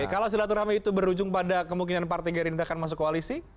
kalau silaturahmi itu berujung pada kemungkinan partai gerindra akan masuk koalisi